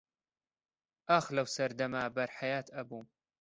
ئاخ لەو سەردەما بەر حەیات ئەبووم